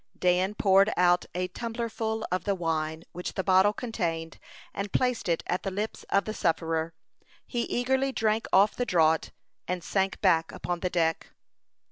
Dan poured out a tumblerful of the wine which the bottle contained, and placed it at the lips of the sufferer. He eagerly drank off the draught, and sank back upon the deck.